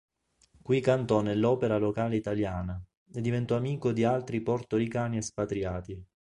Qui cantò nell'opera locale italiana, e diventò amico di altri portoricani espatriati.